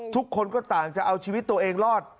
ทุกคนก็ต่างจะเอาชีวิตตัวเองรอด